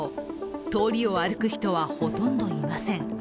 通りを歩く人はほとんどいません。